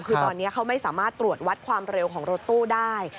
คือตอนนี้เขาไม่สามารถตรวจวัดความเร็วของรถตู้ได้